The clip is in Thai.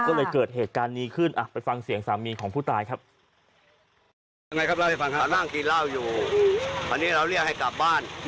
ก็เลยเกิดเหตุการณ์นี้ขึ้นไปฟังเสียงสามีของผู้ตายครับ